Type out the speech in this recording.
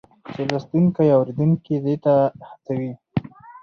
چې لوستونکی او اورېدونکی دې ته هڅوي